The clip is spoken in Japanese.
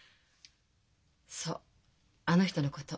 そうあの人のこと。